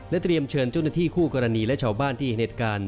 เตรียมเชิญเจ้าหน้าที่คู่กรณีและชาวบ้านที่เห็นเหตุการณ์